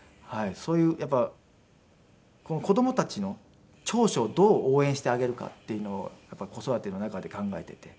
そういうやっぱり子供たちの長所をどう応援してあげるかっていうのをやっぱり子育ての中で考えていて。